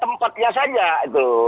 tempatnya saja itu